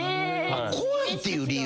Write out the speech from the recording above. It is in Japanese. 怖いっていう理由？